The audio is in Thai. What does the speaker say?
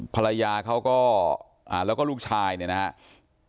ภรรยาเขาก็แล้วก็ลูกชายเนี่ยนะครับ